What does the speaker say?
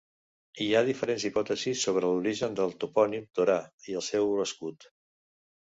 Hi ha diferents hipòtesis sobre l'origen del topònim Torà i el seu escut.